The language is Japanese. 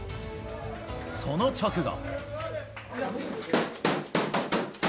その直後。